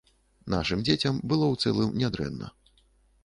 Нашым дзецям было, у цэлым, не дрэнна.